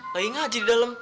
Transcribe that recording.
lagi ngajar di dalam